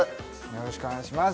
よろしくお願いします